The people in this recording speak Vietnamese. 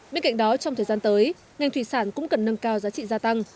bên cạnh đó trong thời gian tới ngành thủy sản cũng cần nâng cao giá trị gia tăng